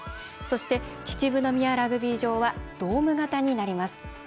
そして、秩父宮ラグビー場はドーム型になります。